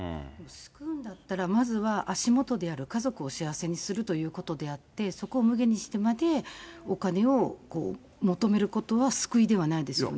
救うんだったら、まずは足元である家族を幸せにするということであって、そこを無碍にしてまで、お金を求めることは救いではないですよね。